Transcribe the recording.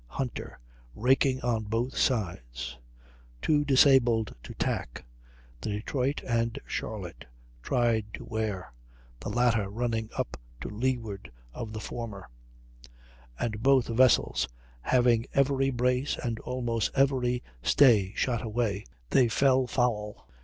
Too disabled to tack, the Detroit and Charlotte tried to wear, the latter running up to leeward of the former; and, both vessels having every brace and almost every stay shot away, they fell foul.